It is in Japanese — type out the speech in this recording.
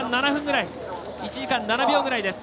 １時間７秒ぐらいです。